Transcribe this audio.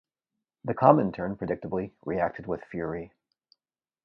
The Comintern, predictably, reacted with fury.